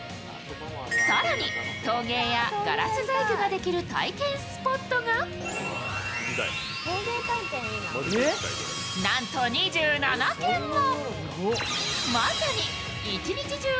更に、陶芸やガラス細工ができる体験スポットがなんと２７軒も。